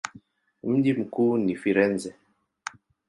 Mji mkuu ni Firenze.